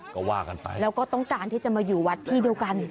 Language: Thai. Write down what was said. ก็ว่ากันไปแล้วก็ต้องการที่จะมาอยู่วัดที่เดียวกัน